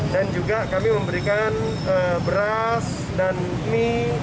dan juga kami memberikan beras dan mie